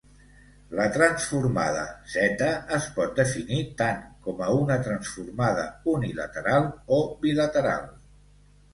La transformada Z es pot definir tan com a una transformada "unilateral" o "bilateral".